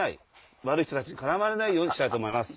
悪い人たちに絡まれないようにしたいと思います。